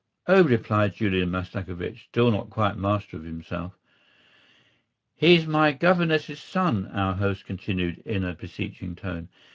"Oh," replied Julian Mastakovich, still not quite master of himself. "He's my governess's son," our host continued in a beseeching tone.